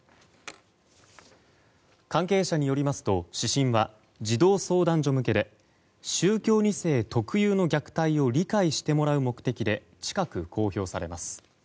関係者によりますと指針は児童相談所向けで宗教２世特有の虐待を理解してもらう目的で近く公表されます。